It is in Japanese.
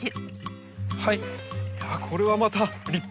いやあこれはまた立派な。